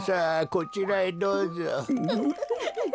こちらへどうぞ。